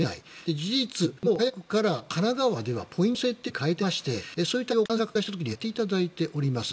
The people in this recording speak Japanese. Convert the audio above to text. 事実、もう早くから神奈川ではポイント制と変えていまして感染が拡大した時にやっていただいております。